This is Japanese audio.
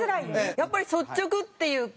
やっぱり率直っていうか